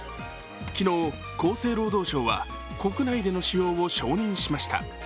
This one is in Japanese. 昨日、厚生労働省は国内での使用を承認しました。